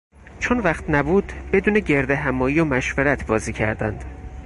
چون وقت نبود بدون گردهمایی و مشورت بازی کردند.